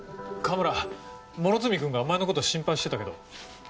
河村両角君がお前のこと心配してたけど。